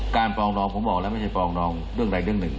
ฟองรองผมบอกแล้วไม่ใช่ฟองรองเรื่องใดเรื่องหนึ่ง